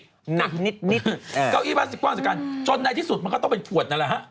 หนักนิดเก้าอี้พลาสติกกว้างจากกันจนในที่สุดมันก็ต้องเป็นขวดนั่นแหละฮะ